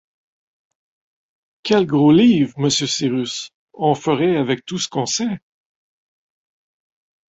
Quel gros livre, monsieur Cyrus, on ferait avec tout ce qu’on sait !